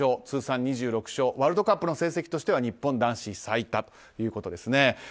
通算２６勝ワールドカップの成績としては日本男子最多ということですね。